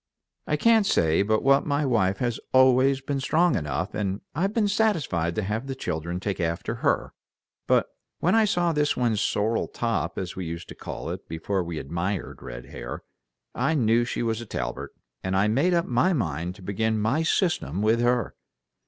I can't say but what my wife has always been strong enough, and I've been satisfied to have the children take after her; but when I saw this one's sorrel top as we used to call it before we admired red hair, I knew she was a Talbert, and I made up my mind to begin my system with her."